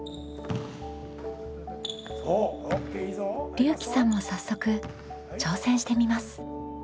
りゅうきさんも早速挑戦してみます。